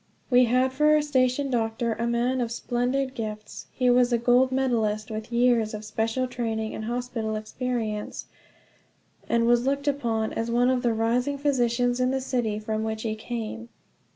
We had for our station doctor a man of splendid gifts. He was a gold medalist, with years of special training and hospital experience, and was looked upon as one of the rising physicians in the city from which he came.